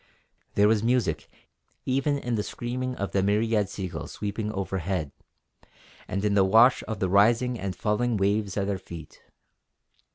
There was music even in the screaming of the myriad seagulls sweeping overhead, and in the wash of the rising and falling waves at our feet.